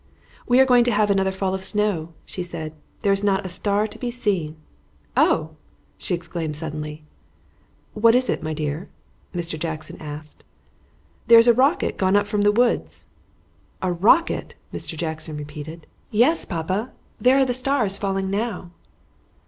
"We are going to have another fall of snow," she said. "There is not a star to be seen. Oh!" she exclaimed suddenly. "What is it, my dear?" Mr. Jackson asked. "There is a rocket gone up from the woods." "A rocket!" Mr. Jackson repeated. "Yes, papa; there are the stars falling now."